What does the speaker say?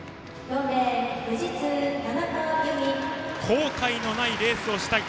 田中佑美は後悔のないレースをしたい。